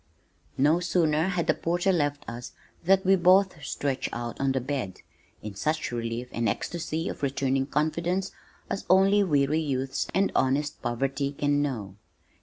No sooner had the porter left us than we both stretched out on the bed, in such relief and ecstasy of returning confidence as only weary youth and honest poverty can know.